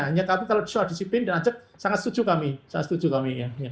hanya kalau soal disiplin dan ancek sangat setuju kami